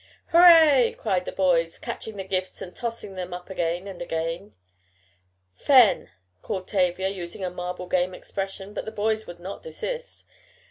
"Hurrah!" cried the boys, catching the gifts and tossing them up again and again. "Fen!" called Tavia, using a marble game expression, but the boys would not desist.